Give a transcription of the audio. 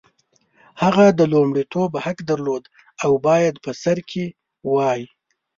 هغه د لومړیتوب حق درلود او باید په سر کې وای.